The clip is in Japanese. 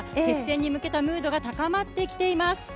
決戦に向けたムードが高まってきています。